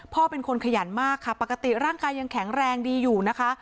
พ่อเป็นคนขยันมากค่ะปกติร่างกายยังแข็งแรงดีอยู่นะคะ